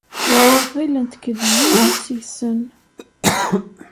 ɣilen-k d yiwen seg-sen.